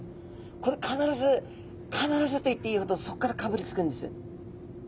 これ必ず必ずと言っていいほどそっからかぶりつくんです。